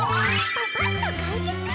パパッとかいけつ！